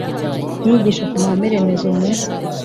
n inyigisho ku mahame remezo mu